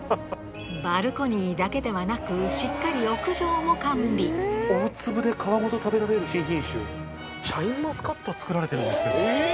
バルコニーだけではなくしっかり屋上も完備シャインマスカットを作られてるんですけど。